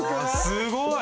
すごい！